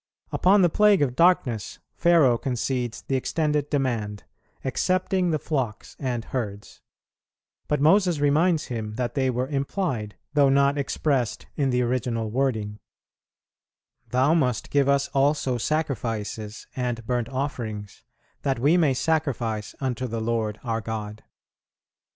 Upon the plague of darkness Pharaoh concedes the extended demand, excepting the flocks and herds; but Moses reminds him that they were implied, though not expressed in the original wording: "Thou must give us also sacrifices and burnt offerings, that we may sacrifice unto the Lord our God."